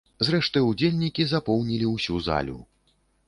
Зрэшты, удзельнікі запоўнілі ўсю залю.